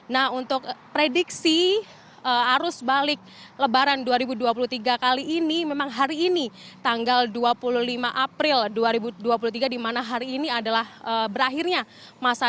nah untuk prediksi arus balik lebaran dua ribu dua puluh tiga kali ini memang hari ini tanggal dua puluh lima april dua ribu dua puluh tiga di mana hari ini adalah berakhirnya masa